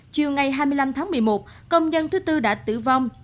chiều ngày hai mươi năm tháng một mươi một công nhân thứ tư đã tử vong